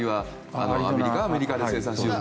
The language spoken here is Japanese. あるいはアメリカはアメリカで生産しようと。